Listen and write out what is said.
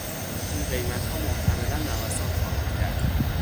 این قیمتها محتملا نوسان خواهد کرد.